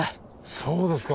そうですか。